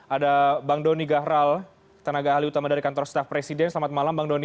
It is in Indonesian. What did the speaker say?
ada bang doni gahral tenaga ahli utama dari kantor staff presiden selamat malam bang doni